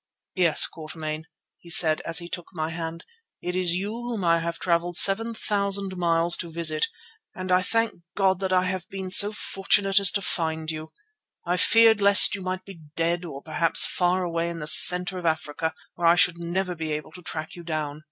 "Yes, Quatermain," he said as he took my hand, "it is you whom I have travelled seven thousand miles to visit, and I thank God that I have been so fortunate as to find you. I feared lest you might be dead, or perhaps far away in the centre of Africa where I should never be able to track you down."